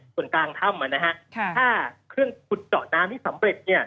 ส่วนกลางถ้ำถ้าเครื่องขุดเจาะน้ำที่สำเร็จ